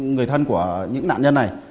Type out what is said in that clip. người thân của những nạn nhân này